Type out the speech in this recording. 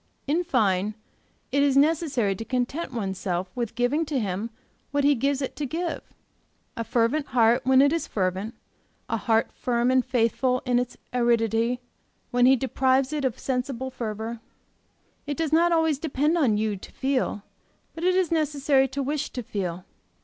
In fine, it is necessary to content one's self with giving to Him what He gives it to give, a fervent heart when it is fervent, a heart firm and faithful in its aridity, when He deprives it of sensible fervor. It does not always depend on you to feel; but it is necessary to wish to feel.